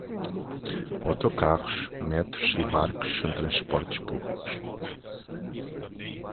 Autocarros, metros e barcos são transportes públicos.